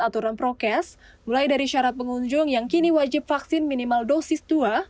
aturan prokes mulai dari syarat pengunjung yang kini wajib vaksin minimal dosis dua